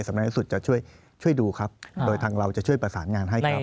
นักสุดจะช่วยดูครับโดยทางเราจะช่วยประสานงานให้ครับ